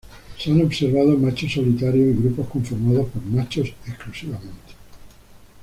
Se han observado machos solitarios y grupos conformados por machos exclusivamente.